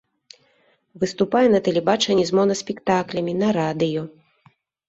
Выступае на тэлебачанні з монаспектаклямі, на радыё.